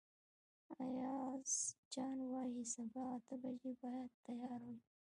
ایاز جان وايي سبا اته بجې باید تیار وئ.